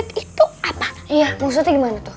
abis itu kuenya itu kita jual lagi